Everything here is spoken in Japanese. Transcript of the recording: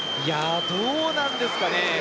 どうなんですかね。